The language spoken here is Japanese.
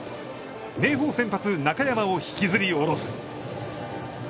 明豊先発、中山を引きずり下ろす。